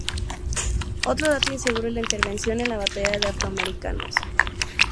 Otro dato inseguro es la intervención en la batalla de afroamericanos.